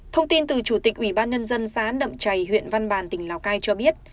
thông tin từ chủ tịch ủy ban nhân dân xã nậm chày huyện văn bàn tỉnh lào cai cho biết